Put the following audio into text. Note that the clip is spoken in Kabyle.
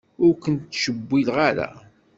Ur ken-ttcewwilen ara.